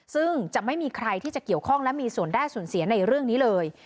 ซึ่งจะไม่มีใครที่จะเกี่ยวข้องและมีส่วนได้ส่วนเสียในเรื่องนี้เลย